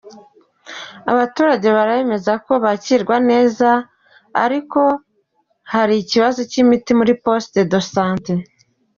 Abaturage baremeza ko bakirwa neza ariko ari ikibazo cy’imiti muri Poste de Sante.